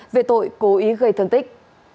về tội cố ý gây thương tích